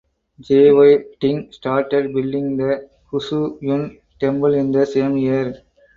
Jy Ding started building the Hsu Yun Temple in the same year.